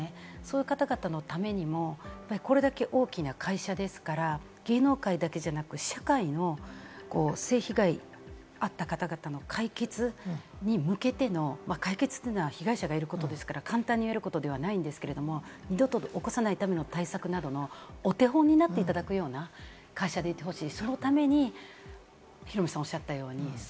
そういう方々のためにもこれだけ大きな会社ですから、芸能界だけじゃなく、社会の性被害に遭った方々の解決に向けての解決というのは被害者がいることですから簡単に言えることではないですが、二度と起こさないための対策などのお手本になっていただくような会社でいてほしい。